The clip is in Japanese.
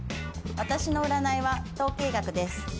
私の占いは統計学です。